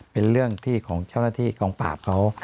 เป็นเรื่องที่ของเจ้าหน้าที่กองปราบเขา